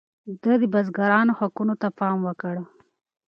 ده د بزګرانو حقونو ته پام وکړ.